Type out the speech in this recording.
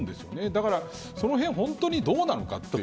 だから、そのへん本当にどうなのかという。